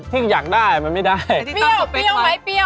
เปรี้ยวเปรี้ยวไหมเปรี้ยว